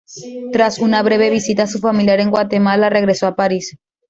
Tras una breve visita a su familia en Guatemala, regresó a París.